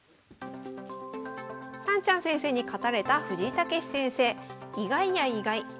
さんちゃん先生に勝たれた藤井猛先生。